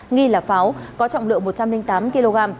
nghi là pháo có trọng lượng một trăm linh tám kg